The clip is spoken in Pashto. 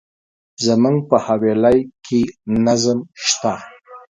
زموږ په حویلی کي نظم شته.